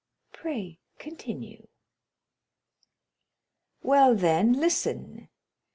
Pray continue." "Well, then, listen.